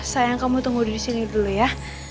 sayang kamu tunggu disini dulu ya